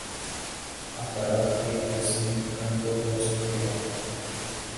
اخبارات کی ترسیل کنٹرول ہو سکتی ہے۔